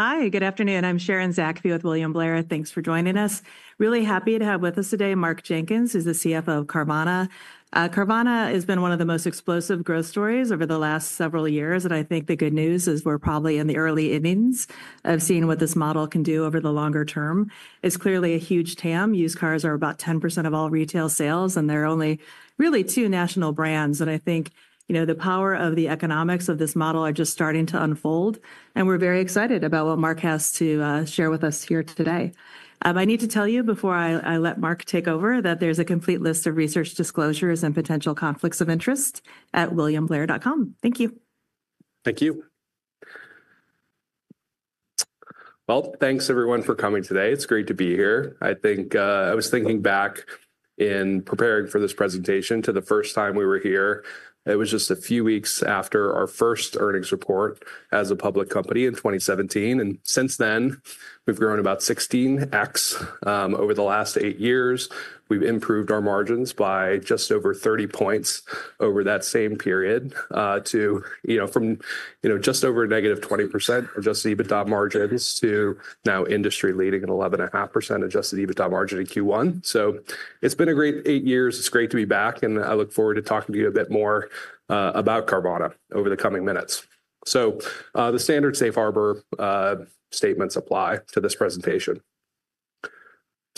Hi, good afternoon. I'm Sharon Zackfia with William Blair. Thanks for joining us. Really happy to have with us today, Mark Jenkins, who's the CFO of Carvana. Carvana has been one of the most explosive growth stories over the last several years. I think the good news is we're probably in the early innings of seeing what this model can do over the longer term. It's clearly a huge TAM. Used cars are about 10% of all retail sales, and there are only really two national brands. I think the power of the economics of this model are just starting to unfold. We're very excited about what Mark has to share with us here today. I need to tell you, before I let Mark take over, that there's a complete list of research disclosures and potential conflicts of interest at williamblair.com. Thank you. Thank you. Thanks, everyone, for coming today. It's great to be here. I think I was thinking back in preparing for this presentation to the first time we were here. It was just a few weeks after our first earnings report as a public company in 2017. Since then, we've grown about 16x over the last eight years. We've improved our margins by just over 30 points over that same period, from just over -20% Adjusted EBITDA margins to now industry-leading at 11.5% Adjusted EBITDA margin in Q1. It's been a great eight years. It's great to be back. I look forward to talking to you a bit more about Carvana over the coming minutes. The standard safe harbor statements apply to this presentation.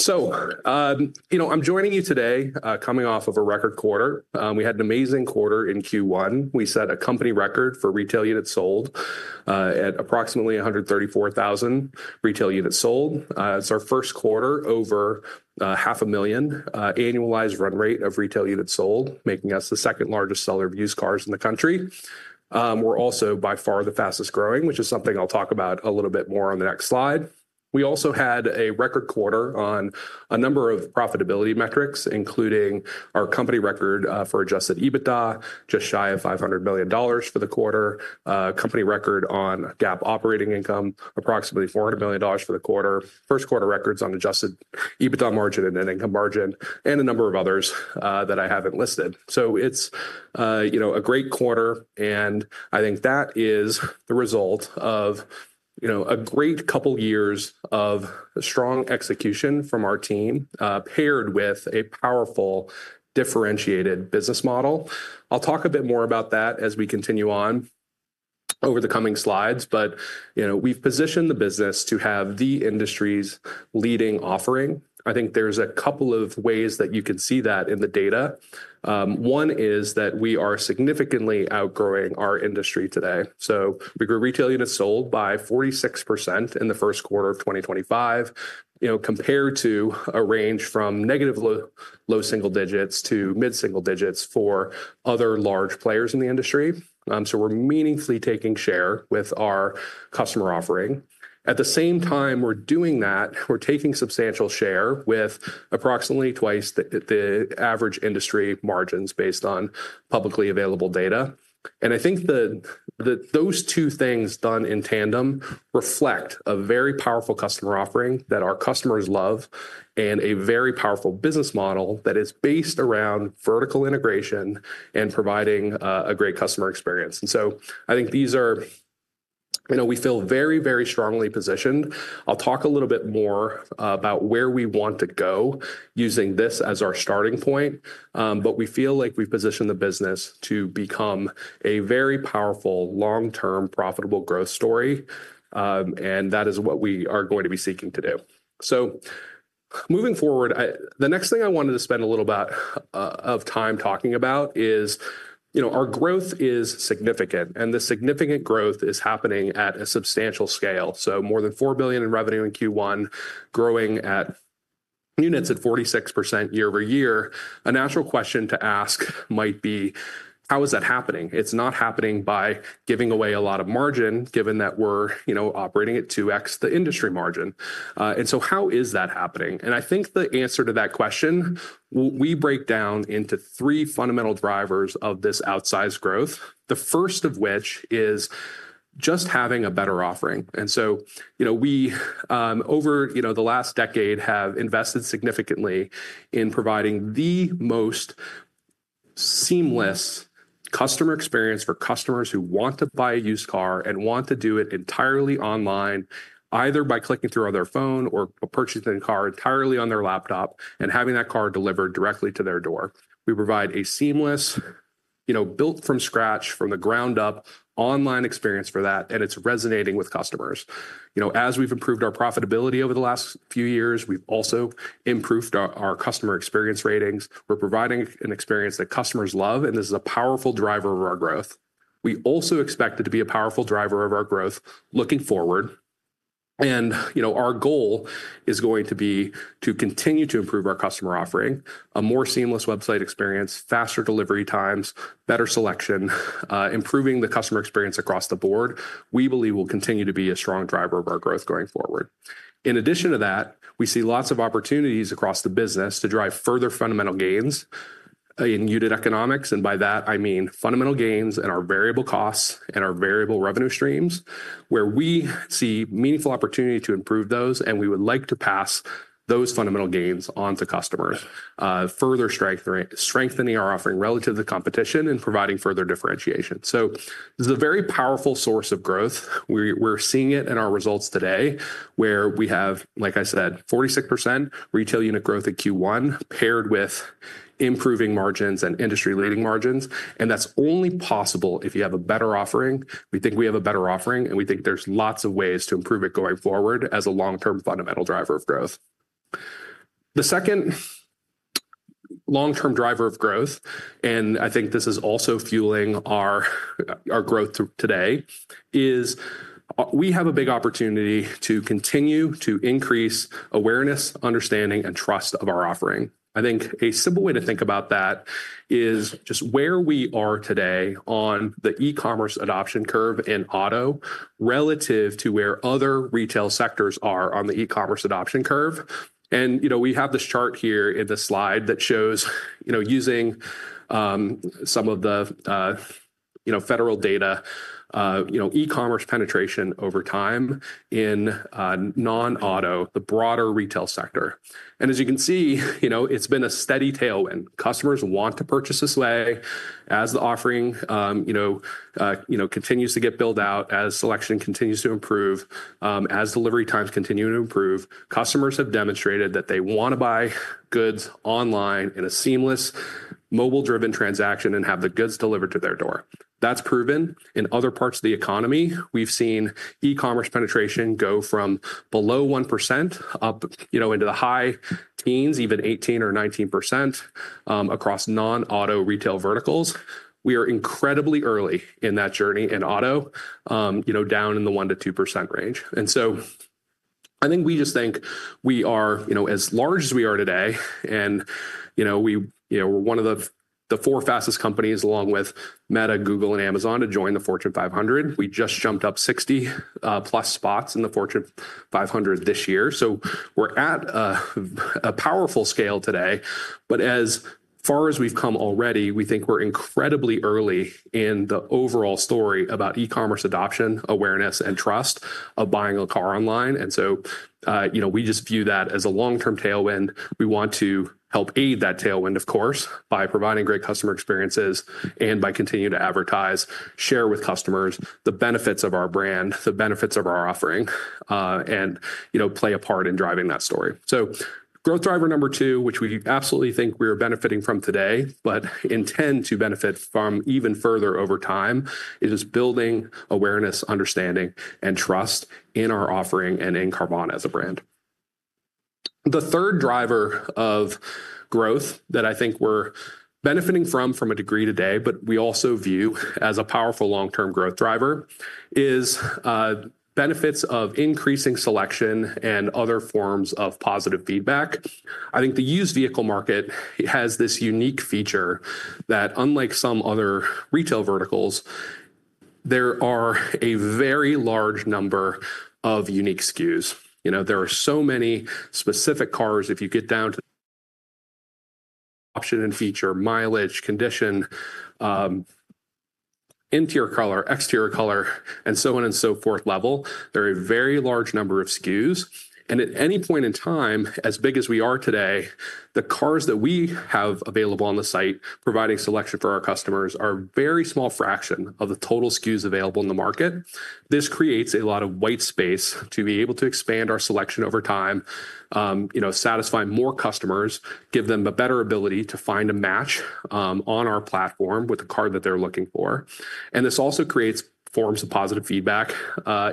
I'm joining you today coming off of a record quarter. We had an amazing quarter in Q1. We set a company record for retail units sold at approximately 134,000 retail units sold. It's our first quarter over 500,000 annualized run rate of retail units sold, making us the second largest seller of used cars in the country. We're also by far the fastest growing, which is something I'll talk about a little bit more on the next slide. We also had a record quarter on a number of profitability metrics, including our company record for Adjusted EBITDA, just shy of $500 million for the quarter, company record on GAAP operating income, approximately $400 million for the quarter, first quarter records on Adjusted EBITDA margin and net income margin, and a number of others that I haven't listed. It's a great quarter. I think that is the result of a great couple of years of strong execution from our team, paired with a powerful differentiated business model. I'll talk a bit more about that as we continue on over the coming slides. We have positioned the business to have the industry's leading offering. I think there are a couple of ways that you can see that in the data. One is that we are significantly outgrowing our industry today. We grew retail units sold by 46% in the first quarter of 2025, compared to a range from negative low single digits to mid-single digits for other large players in the industry. We are meaningfully taking share with our customer offering. At the same time we are doing that, we are taking substantial share with approximately twice the average industry margins based on publicly available data. I think those two things done in tandem reflect a very powerful customer offering that our customers love and a very powerful business model that is based around vertical integration and providing a great customer experience. I think these are we feel very, very strongly positioned. I'll talk a little bit more about where we want to go using this as our starting point. We feel like we've positioned the business to become a very powerful, long-term, profitable growth story. That is what we are going to be seeking to do. Moving forward, the next thing I wanted to spend a little bit of time talking about is our growth is significant. The significant growth is happening at a substantial scale. More than $4 billion in revenue in Q1, growing units at 46% year-over-year. A natural question to ask might be, how is that happening? It is not happening by giving away a lot of margin, given that we are operating at 2x the industry margin. How is that happening? I think the answer to that question, we break down into three fundamental drivers of this outsized growth, the first of which is just having a better offering. We, over the last decade, have invested significantly in providing the most seamless customer experience for customers who want to buy a used car and want to do it entirely online, either by clicking through on their phone or purchasing the car entirely on their laptop and having that car delivered directly to their door. We provide a seamless, built from scratch, from the ground up, online experience for that. It is resonating with customers. As we've improved our profitability over the last few years, we've also improved our customer experience ratings. We're providing an experience that customers love. This is a powerful driver of our growth. We also expect it to be a powerful driver of our growth looking forward. Our goal is going to be to continue to improve our customer offering, a more seamless website experience, faster delivery times, better selection, improving the customer experience across the board. We believe this will continue to be a strong driver of our growth going forward. In addition to that, we see lots of opportunities across the business to drive further fundamental gains in unit economics. By that, I mean fundamental gains in our variable costs and our variable revenue streams, where we see meaningful opportunity to improve those. We would like to pass those fundamental gains on to customers, further strengthening our offering relative to competition and providing further differentiation. This is a very powerful source of growth. We are seeing it in our results today, where we have, like I said, 46% retail unit growth in Q1, paired with improving margins and industry-leading margins. That is only possible if you have a better offering. We think we have a better offering. We think there are lots of ways to improve it going forward as a long-term fundamental driver of growth. The second long-term driver of growth, and I think this is also fueling our growth today, is we have a big opportunity to continue to increase awareness, understanding, and trust of our offering. I think a simple way to think about that is just where we are today on the e-commerce adoption curve in auto relative to where other retail sectors are on the e-commerce adoption curve. We have this chart here in the slide that shows using some of the federal data e-commerce penetration over time in non-auto, the broader retail sector. As you can see, it has been a steady tailwind. Customers want to purchase this way as the offering continues to get built out, as selection continues to improve, as delivery times continue to improve. Customers have demonstrated that they want to buy goods online in a seamless, mobile-driven transaction and have the goods delivered to their door. That is proven. In other parts of the economy, we have seen e-commerce penetration go from below 1% up into the high teens, even 18% or 19% across non-auto retail verticals. We are incredibly early in that journey in auto, down in the 1%-2% range. I think we just think we are as large as we are today. We were one of the four fastest companies, along with Meta, Google, and Amazon, to join the Fortune 500. We just jumped up 60+ spots in the Fortune 500 this year. We are at a powerful scale today. As far as we have come already, we think we are incredibly early in the overall story about e-commerce adoption, awareness, and trust of buying a car online. We just view that as a long-term tailwind. We want to help aid that tailwind, of course, by providing great customer experiences and by continuing to advertise, share with customers the benefits of our brand, the benefits of our offering, and play a part in driving that story. Growth driver number two, which we absolutely think we are benefiting from today but intend to benefit from even further over time, is building awareness, understanding, and trust in our offering and in Carvana as a brand. The third driver of growth that I think we're benefiting from a degree today, but we also view as a powerful long-term growth driver, is benefits of increasing selection and other forms of positive feedback. I think the used vehicle market has this unique feature that, unlike some other retail verticals, there are a very large number of unique SKUs. There are so many specific cars. If you get down to the option and feature, mileage, condition, interior color, exterior color, and so on and so forth level, there are a very large number of SKUs. At any point in time, as big as we are today, the cars that we have available on the site providing selection for our customers are a very small fraction of the total SKUs available in the market. This creates a lot of white space to be able to expand our selection over time, satisfy more customers, give them a better ability to find a match on our platform with the car that they're looking for. This also creates forms of positive feedback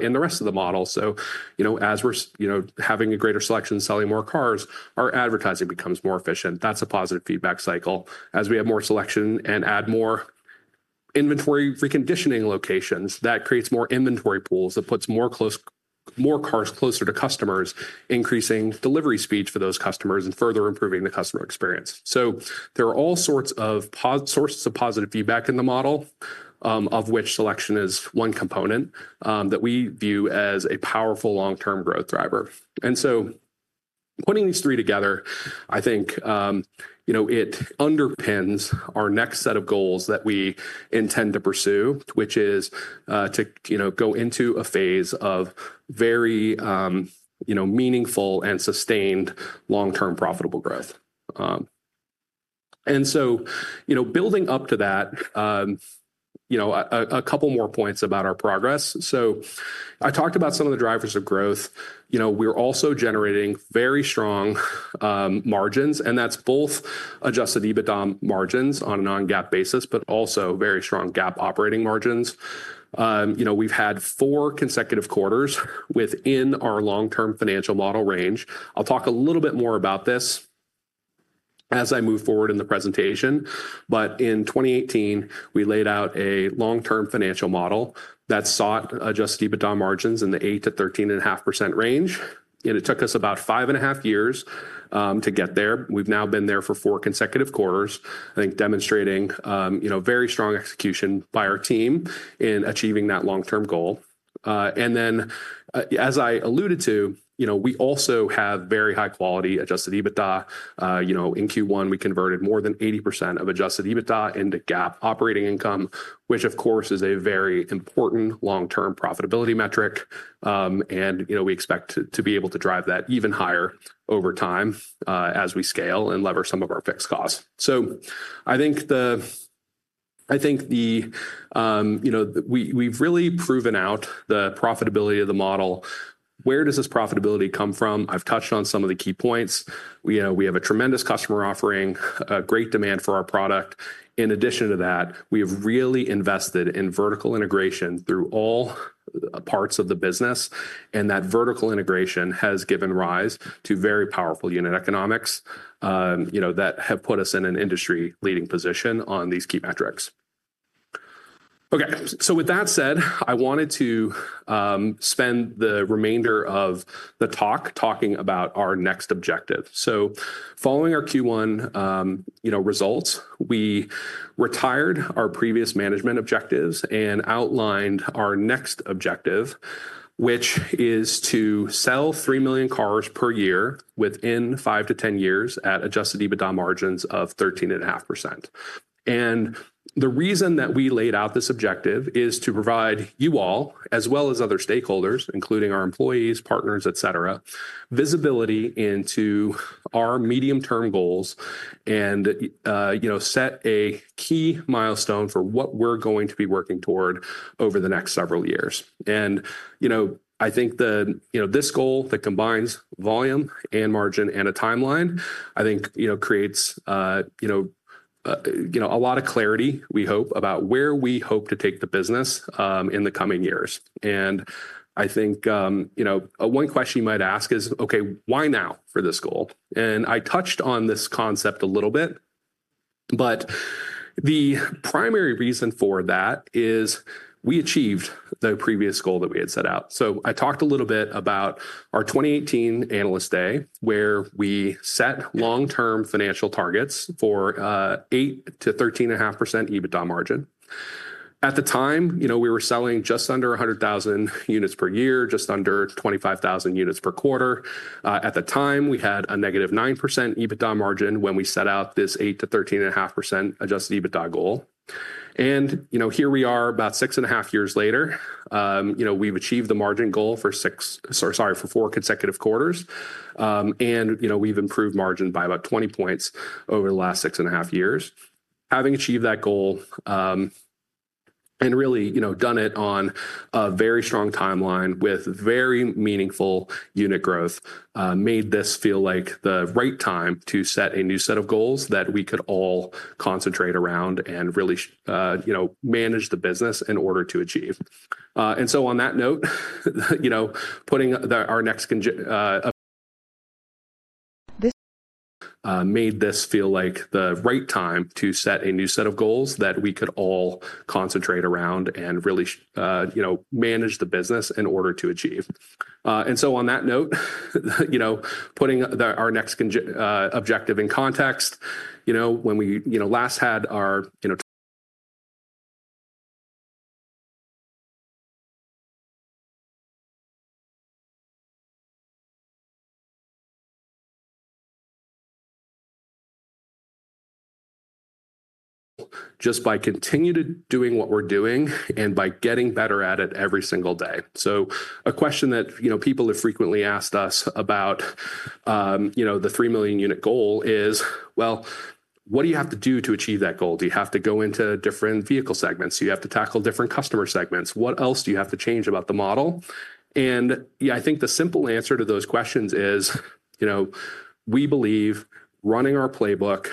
in the rest of the model. As we're having a greater selection and selling more cars, our advertising becomes more efficient. That's a positive feedback cycle. As we have more selection and add more inventory reconditioning locations, that creates more inventory pools that puts more cars closer to customers, increasing delivery speeds for those customers and further improving the customer experience. There are all sorts of sources of positive feedback in the model, of which selection is one component that we view as a powerful long-term growth driver. Putting these three together, I think it underpins our next set of goals that we intend to pursue, which is to go into a phase of very meaningful and sustained long-term profitable growth. Building up to that, a couple more points about our progress. I talked about some of the drivers of growth. We're also generating very strong margins. That's both Adjusted EBITDA margins on a non-GAAP basis, but also very strong GAAP operating margins. We've had four consecutive quarters within our long-term financial model range. I'll talk a little bit more about this as I move forward in the presentation. In 2018, we laid out a long-term financial model that sought Adjusted EBITDA margins in the 8%-13.5% range. It took us about five and a half years to get there. We've now been there for four consecutive quarters, I think demonstrating very strong execution by our team in achieving that long-term goal. As I alluded to, we also have very high-quality Adjusted EBITDA. In Q1, we converted more than 80% of Adjusted EBITDA into GAAP operating income, which, of course, is a very important long-term profitability metric. We expect to be able to drive that even higher over time as we scale and lever some of our fixed costs. I think we've really proven out the profitability of the model. Where does this profitability come from? I've touched on some of the key points. We have a tremendous customer offering, great demand for our product. In addition to that, we have really invested in vertical integration through all parts of the business. That vertical integration has given rise to very powerful unit economics that have put us in an industry-leading position on these key metrics. Okay. With that said, I wanted to spend the remainder of the talk talking about our next objective. Following our Q1 results, we retired our previous management objectives and outlined our next objective, which is to sell 3 million cars per year within 5-10 years at Adjusted EBITDA margins of 13.5%. The reason that we laid out this objective is to provide you all, as well as other stakeholders, including our employees, partners, etc., visibility into our medium-term goals and set a key milestone for what we're going to be working toward over the next several years. I think this goal that combines volume and margin and a timeline, I think, creates a lot of clarity, we hope, about where we hope to take the business in the coming years. I think one question you might ask is, "Okay, why now for this goal?" I touched on this concept a little bit. The primary reason for that is we achieved the previous goal that we had set out. I talked a little bit about our 2018 Analyst Day, where we set long-term financial targets for 8%-13.5% EBITDA margin. At the time, we were selling just under 100,000 units per year, just under 25,000 units per quarter. At the time, we had a -9% EBITDA margin when we set out this 8%-13.5% adjusted EBITDA goal. Here we are about six and a half years later. We've achieved the margin goal for four consecutive quarters. We've improved margin by about 20 percentage points over the last six and a half years, having achieved that goal and really done it on a very strong timeline with very meaningful unit growth, made this feel like the right time to set a new set of goals that we could all concentrate around and really manage the business in order to achieve. On that note, putting our next made this feel like the right time to set a new set of goals that we could all concentrate around and really manage the business in order to achieve. On that note, putting our next objective in context, when we last had our just by continuing to do what we're doing and by getting better at it every single day. A question that people have frequently asked us about the 3 million unit goal is, "What do you have to do to achieve that goal? Do you have to go into different vehicle segments? Do you have to tackle different customer segments? What else do you have to change about the model? I think the simple answer to those questions is we believe running our playbook,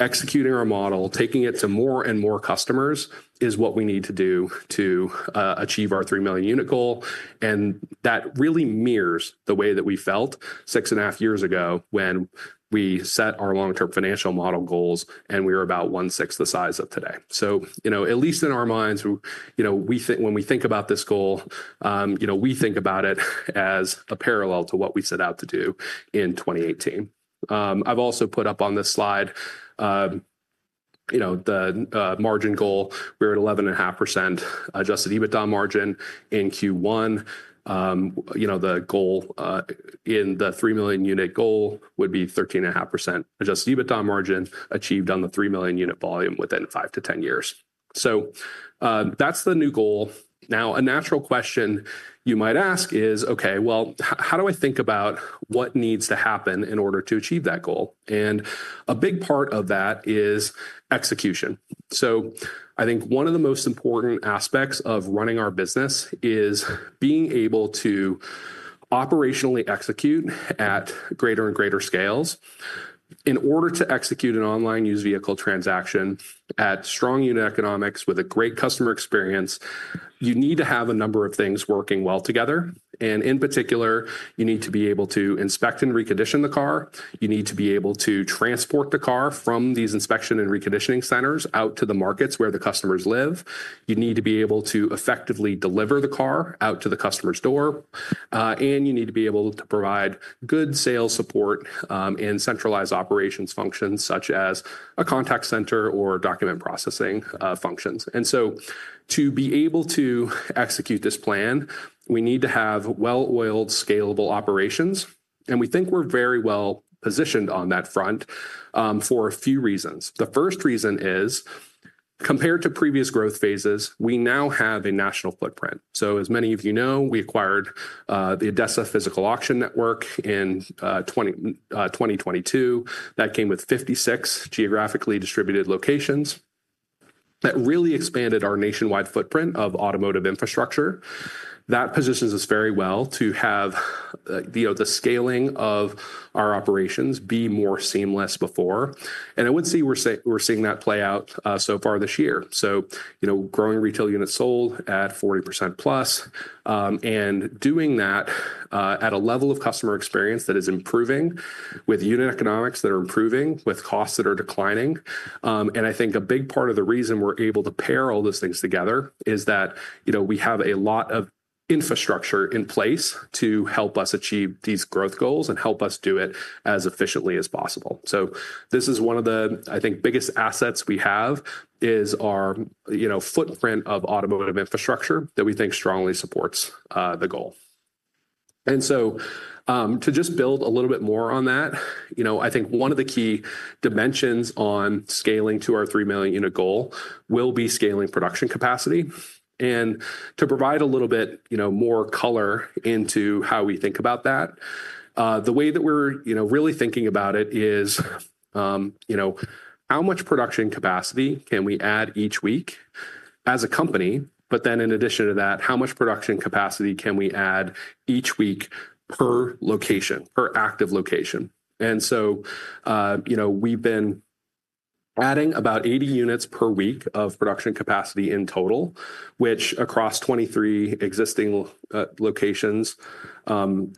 executing our model, taking it to more and more customers is what we need to do to achieve our 3 million unit goal. That really mirrors the way that we felt six and a half years ago when we set our long-term financial model goals and we were about one-sixth the size of today. At least in our minds, when we think about this goal, we think about it as a parallel to what we set out to do in 2018. I've also put up on this slide the margin goal. We're at 11.5% Adjusted EBITDA margin in Q1. The goal in the 3 million unit goal would be 13.5% Adjusted EBITDA margin achieved on the 3 million unit volume within 5-10 years. That is the new goal. A natural question you might ask is, "Okay, how do I think about what needs to happen in order to achieve that goal?" A big part of that is execution. I think one of the most important aspects of running our business is being able to operationally execute at greater and greater scales. In order to execute an online used vehicle transaction at strong unit economics with a great customer experience, you need to have a number of things working well together. In particular, you need to be able to inspect and recondition the car. You need to be able to transport the car from these inspection and reconditioning centers out to the markets where the customers live. You need to be able to effectively deliver the car out to the customer's door. You need to be able to provide good sales support and centralized operations functions such as a contact center or document processing functions. To be able to execute this plan, we need to have well-oiled, scalable operations. We think we're very well positioned on that front for a few reasons. The first reason is, compared to previous growth phases, we now have a national footprint. As many of you know, we acquired the ADESA Physical Auction Network in 2022. That came with 56 geographically distributed locations that really expanded our nationwide footprint of automotive infrastructure. That positions us very well to have the scaling of our operations be more seamless than before. I would say we're seeing that play out so far this year. Growing retail units sold at 40%+ and doing that at a level of customer experience that is improving with unit economics that are improving with costs that are declining. I think a big part of the reason we're able to pair all those things together is that we have a lot of infrastructure in place to help us achieve these growth goals and help us do it as efficiently as possible. This is one of the, I think, biggest assets we have is our footprint of automotive infrastructure that we think strongly supports the goal. To just build a little bit more on that, I think one of the key dimensions on scaling to our 3 million unit goal will be scaling production capacity. To provide a little bit more color into how we think about that, the way that we're really thinking about it is how much production capacity can we add each week as a company. In addition to that, how much production capacity can we add each week per location, per active location. We've been adding about 80 units per week of production capacity in total, which across 23 existing locations,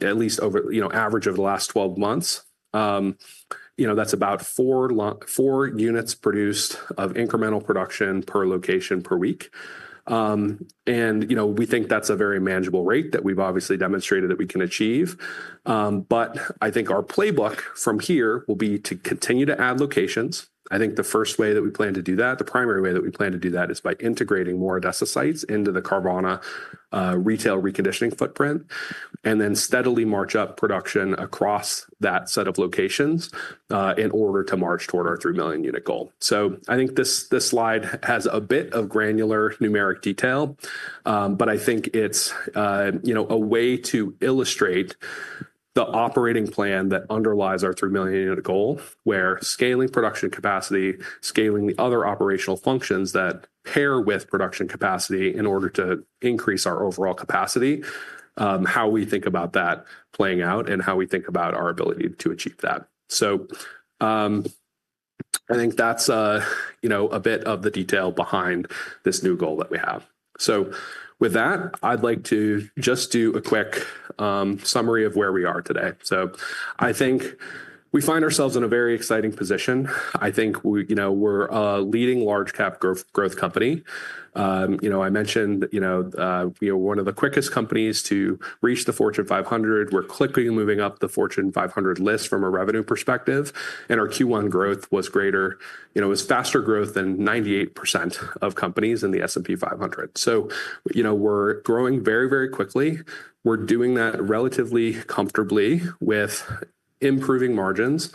at least over average over the last 12 months, that's about four units produced of incremental production per location per week. We think that's a very manageable rate that we've obviously demonstrated that we can achieve. I think our playbook from here will be to continue to add locations. I think the first way that we plan to do that, the primary way that we plan to do that, is by integrating more ADESA sites into the Carvana retail reconditioning footprint and then steadily march up production across that set of locations in order to march toward our 3 million unit goal. I think this slide has a bit of granular numeric detail, but I think it's a way to illustrate the operating plan that underlies our 3 million unit goal, where scaling production capacity, scaling the other operational functions that pair with production capacity in order to increase our overall capacity, how we think about that playing out and how we think about our ability to achieve that. I think that's a bit of the detail behind this new goal that we have. With that, I'd like to just do a quick summary of where we are today. I think we find ourselves in a very exciting position. I think we're a leading large-cap growth company. I mentioned we are one of the quickest companies to reach the Fortune 500. We're quickly moving up the Fortune 500 list from a revenue perspective. Our Q1 growth was greater. It was faster growth than 98% of companies in the S&P 500. We're growing very, very quickly. We're doing that relatively comfortably with improving margins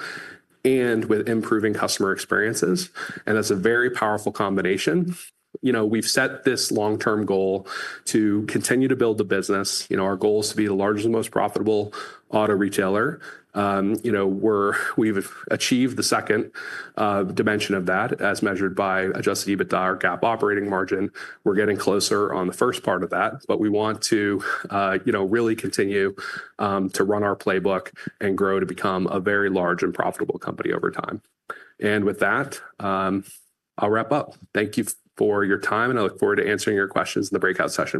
and with improving customer experiences. That's a very powerful combination. We've set this long-term goal to continue to build the business. Our goal is to be the largest and most profitable auto retailer. We've achieved the second dimension of that as measured by Adjusted EBITDA or GAAP operating margin. We're getting closer on the first part of that. We want to really continue to run our playbook and grow to become a very large and profitable company over time. With that, I'll wrap up. Thank you for your time. I look forward to answering your questions in the breakout session.